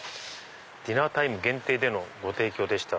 「ディナータイム限定でのご提供でした」。